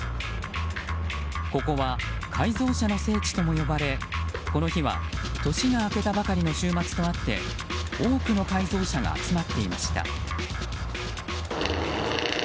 ここは、改造車の聖地とも呼ばれこの日は年が明けたばかりの週末とあって多くの改造車が集まっていました。